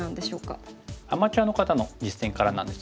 アマチュアの方の実戦からなんですけれども。